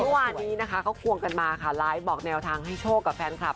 เมื่อวานนี้นะคะเขาควงกันมาค่ะไลฟ์บอกแนวทางให้โชคกับแฟนคลับ